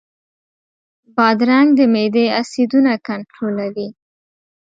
بادرنګ د معدې اسیدونه کنټرولوي.